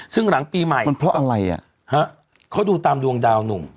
ซึ่งหลังปีใหม่มันเพราะอะไรอ่ะฮะเขาดูตามดวงดาวหนุ่ม